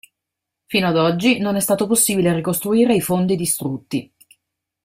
Fino ad oggi, non è stato possibile ricostruire i fondi distrutti.